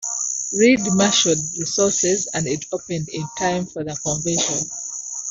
Reed marshaled resources and it opened in time for the convention.